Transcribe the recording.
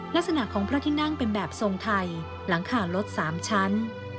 ลักษณะของพระที่นั่งเป็นแบบทรงไทยหลังคารถ๓ชั้น